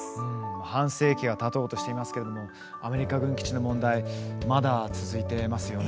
半世紀がたとうとしていますけれどもアメリカ軍基地の問題まだ続いていますよね。